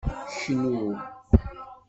Knnu!